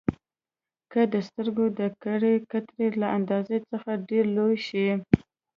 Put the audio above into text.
که د سترګو د کرې قطر له اندازې څخه ډېر لوی شي.